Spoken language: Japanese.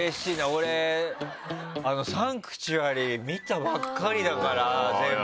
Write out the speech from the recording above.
俺、「サンクチュアリ」見たばっかりだから。